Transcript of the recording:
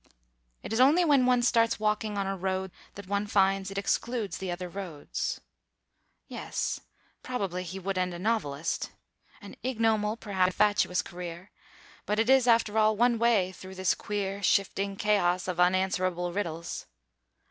It is only when one starts walking on a road that one finds it excludes the other roads. Yes; probably he would end a novelist. An ignoble, perhaps even a fatuous career; but it is, after all, one way through this queer, shifting chaos of unanswerable riddles.